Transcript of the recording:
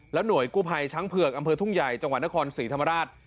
หน่วยกู้ภัยช้างเผือกอำเภอทุ่งใหญ่จังหวัดนครศรีธรรมราช